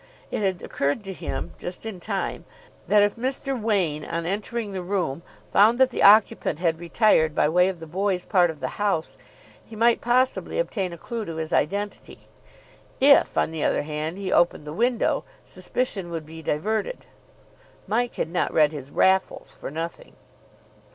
It had occurred to him, just in time, that if Mr. Wain, on entering the room, found that the occupant had retired by way of the boys' part of the house, he might possibly obtain a clue to his identity. If, on the other hand, he opened the window, suspicion would be diverted. Mike had not read his "Raffles" for nothing.